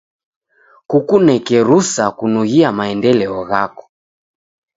Kukuneke rusa kunughia maendeleo ghako.